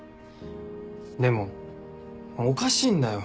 でもおかしいんだよ。